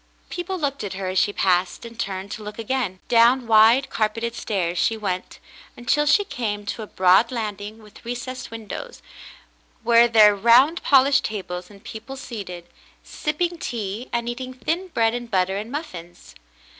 People looked at her as she passed, and turned to look again. Down wade, carpeted stairs she went, until she came to a broad landing with recessed windows, where were round polished tables and people seated, sipping tea and eating thin bread and butter and muffins.